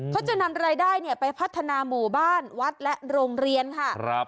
เขาจะนำรายได้ไปพัฒนาหมู่บ้านวัดและโรงเรียนค่ะ